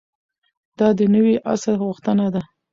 دا د نوي عصر غوښتنه ده.